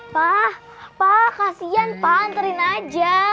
pa pa kasian pa anterin aja